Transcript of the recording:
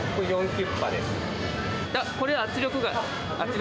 これ、圧力鍋。